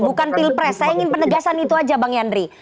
bukan pilpres saya ingin penegasan itu aja bang yandri